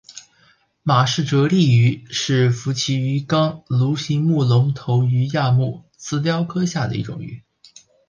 马氏蛰丽鱼是辐鳍鱼纲鲈形目隆头鱼亚目慈鲷科下的一种鱼。